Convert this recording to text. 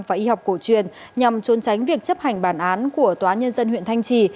và y học cổ truyền nhằm trốn tránh việc chấp hành bản án của tòa nhân dân huyện thanh trì